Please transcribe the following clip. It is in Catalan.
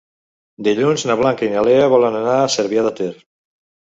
Dilluns na Blanca i na Lea volen anar a Cervià de Ter.